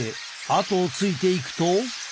後をついていくと。